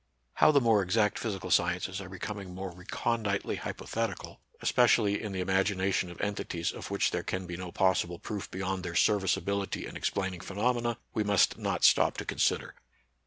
How the more exact physical sciences are becoming more reconditely hypothetical, espe cially in the imagination of entities of which there can be no possible proof beyond their serviceability in explaining phenomena, we must not stop to consider.